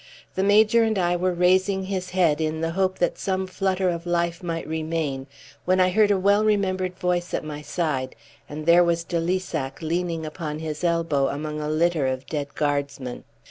The Major and I were raising his head in the hope that some flutter of life might remain, when I heard a well remembered voice at my side, and there was de Lissac leaning upon his elbow among a litter of dead guardsmen.